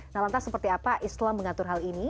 nah lantas seperti apa islam mengatur hal ini